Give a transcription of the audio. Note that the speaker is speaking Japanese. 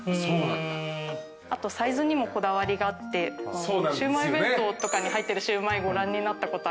あとサイズにもこだわりがあってシウマイ弁当とかに入ってるシウマイご覧になったこと。